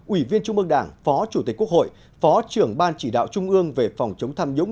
ủy viên trung mương đảng phó chủ tịch quốc hội phó trưởng ban chỉ đạo trung ương về phòng chống tham nhũng